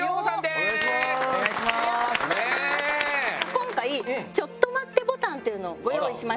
今回ちょっと待ってボタンっていうのをご用意しました。